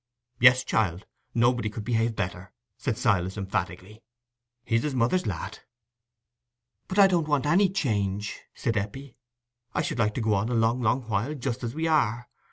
"Yes, child, nobody could behave better," said Silas, emphatically. "He's his mother's lad." "But I don't want any change," said Eppie. "I should like to go on a long, long while, just as we are.